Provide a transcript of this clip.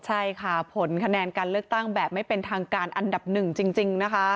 ใช่ค่ะผลคะแนนการเลือกตั้งแบบไม่เป็นทางการอันดับหนึ่งจริงนะคะ